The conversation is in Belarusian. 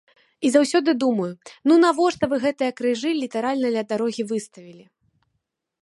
І заўсёды думаю, ну навошта вы гэтыя крыжы літаральна ля дарогі выставілі?